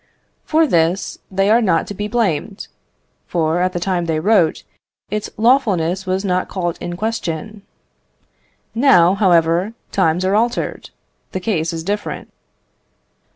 For this they are not to be blamed; for at the time they wrote, its lawfulness was not called in question. Now, however, times are altered; the case is different.